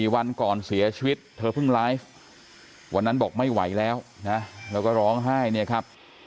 วันก่อนเสียชีวิตเธอเพิ่งไลฟ์วันนั้นบอกไม่ไหวแล้วนะแล้วก็ร้องไห้เนี่ยครับ